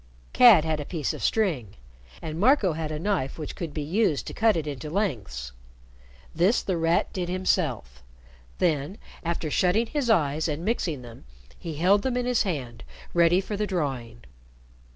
Cad had a piece of string, and Marco had a knife which could be used to cut it into lengths. This The Rat did himself. Then, after shutting his eyes and mixing them, he held them in his hand ready for the drawing.